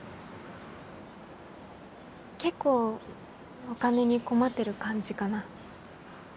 結構お金に困ってる感じかな？